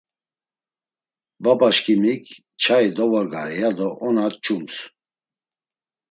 Babaşǩimik nçai dovorgare ya do ona mç̌ums.